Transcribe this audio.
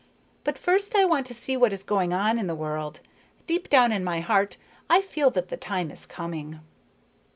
But first I want to see what is going on in the world. Deep down in my heart I feel that the time is coming."